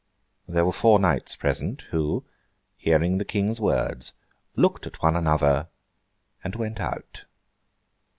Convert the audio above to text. There were four knights present, who, hearing the King's words, looked at one another, and went out.